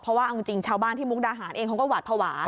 เพราะว่าเอาจริงชาวบ้านที่มุกดาหารเองเขาก็หวาดภาวะ